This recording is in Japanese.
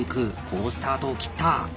好スタートを切った！